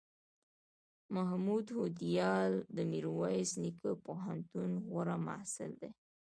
محمود هوډیال دمیرویس نیکه پوهنتون غوره محصل دی